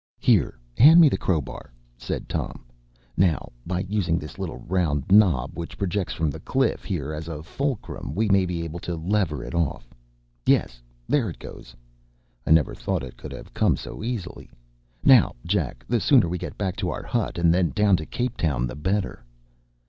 “Here, hand me the crowbar,” said Tom. “Now, by using this little round knob which projects from the cliff here as a fulcrum, we may be able to lever it off. Yes; there it goes. I never thought it could have come so easily. Now, Jack, the sooner we get back to our hut and then down to Cape Town, the better.